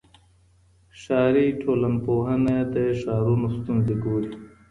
ښاري ټولنپوهنه د ښارونو ستونزې ګوري.